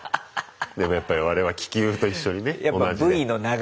でもやっぱり我々は気球と一緒にね同じで。